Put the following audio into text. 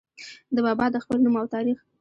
د بابا د خپل نوم او تاريخ